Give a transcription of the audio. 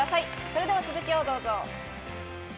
それでは続きをどうぞ。